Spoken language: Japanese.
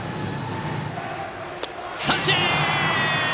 三振！